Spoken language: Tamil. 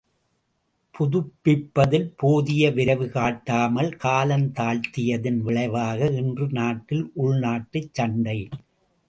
புதுப்பிப்பதில் போதிய விரைவு காட்டாமல் காலந் தாழ்த்தியதன் விளைவாக இன்று நாட்டில் உள்நாட்டுச் சண்டை!